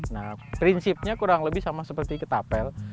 nah prinsipnya kurang lebih sama seperti ketapel